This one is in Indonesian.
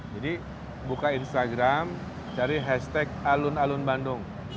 jadi buka instagram cari hashtag alun alun bandung